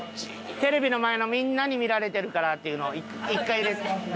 テレビの前のみんなに見られてるからっていうのを。